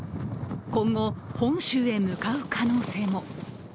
今後、本州へ向かう可能性も。